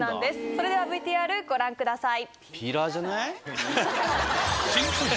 それではＶＴＲご覧ください。